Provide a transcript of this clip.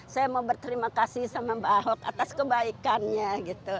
saya mau berterima kasih sama mbak ahok atas kebaikannya gitu